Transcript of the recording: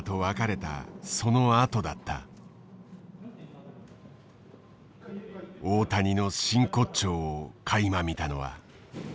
大谷の真骨頂をかいま見たのは。